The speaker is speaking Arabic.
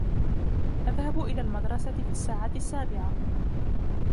أذهب إلى المدرسة في الساعة السابعة